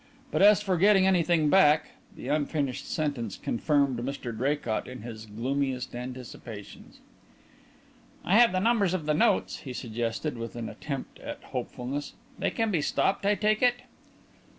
But as for getting anything back " The unfinished sentence confirmed Mr Draycott in his gloomiest anticipations. "I have the numbers of the notes," he suggested, with an attempt at hopefulness. "They can be stopped, I take it?"